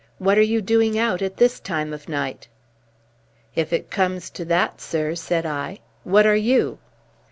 What are you doing out at this time of night?' "'If it comes to that, sir,' said I, 'what are you?'